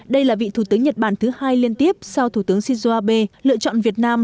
đây là vị thủ tướng nhật bản thứ hai liên tiếp sau thủ tướng shinzo abe lựa chọn việt nam